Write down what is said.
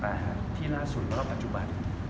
แต่ที่ล่าสุดรอบปัจจุบัน